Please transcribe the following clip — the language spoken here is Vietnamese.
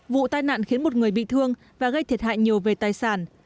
vụ tai nạn khiến một người bị thương và gây thiệt hại nhiều về tài sản